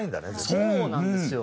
そうなんですよ。